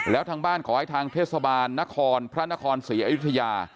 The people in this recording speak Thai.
แล้วทางบ้านขอให้ทางเทศบาลนครพระนครศรีอยุธยา